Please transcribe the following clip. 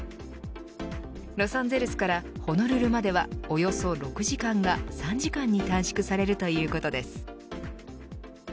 ロサンゼルスからホノルルまではおよそ６時間が３時間に短縮されるということです。